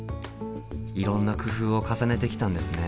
いろんな工夫を重ねてきたんですね。